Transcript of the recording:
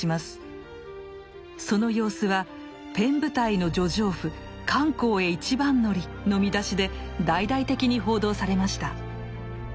その様子は「ペン部隊の女丈夫漢口へ一番乗り」の見出しで大々的に報道されました。